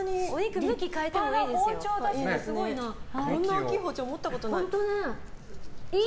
こんな包丁持ったことない。